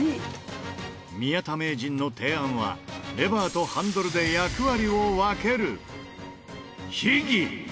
宮田名人の提案はレバーとハンドルで役割を分ける秘技いきます。